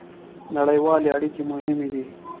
نړیوالې اړیکې مهمې دي